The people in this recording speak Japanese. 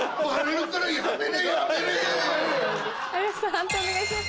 判定お願いします。